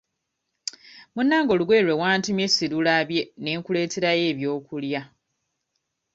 Munnange olugoye lwe wantumye sirulabye ne nkuleeterayo ebyokulya.